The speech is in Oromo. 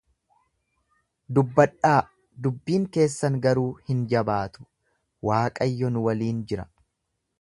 Dubbadhaa, dubbiin keessan garuu hin jabaatu, Waaqayyo nu waliin jira.